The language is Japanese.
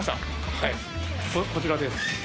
はいこちらです